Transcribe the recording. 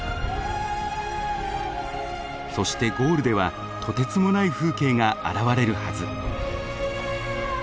そしてゴールではとてつもない風景が現れるはず。